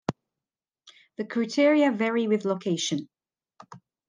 The criteria vary with location.